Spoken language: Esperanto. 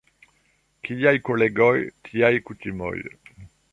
Kiaj kolegoj, tiaj kutimoj.